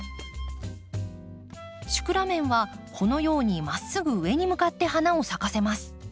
シクラメンはこのようにまっすぐ上に向かって花を咲かせます。